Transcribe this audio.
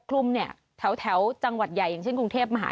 คลุมเนี่ยแถวจังหวัดใหญ่อย่างเช่นกรุงเทพมหานคร